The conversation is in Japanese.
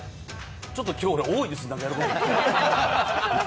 ちょっと今日俺多いです、やることが。